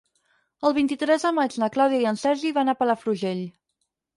El vint-i-tres de maig na Clàudia i en Sergi van a Palafrugell.